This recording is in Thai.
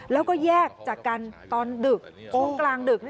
แล้วก็แยกจากกันตอนดึกช่วงกลางดึก